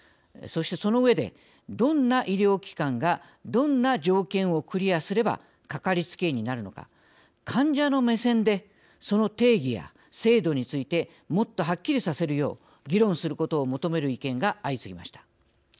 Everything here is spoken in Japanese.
そしてそのうえでどんな医療機関がどんな条件をクリアすればかかりつけ医になるのか患者の目線でその定義や制度についてもっとはっきりさせるよう議論することを求める意見が相次ぎました。